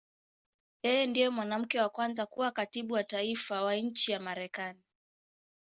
Yeye ndiye mwanamke wa kwanza kuwa Katibu wa Taifa wa nchi ya Marekani.